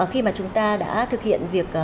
khi mà chúng ta đã thực hiện việc